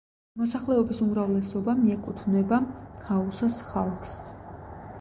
მოსახლეობის უმრავლესობა მიეკუთვნება ჰაუსას ხალხს.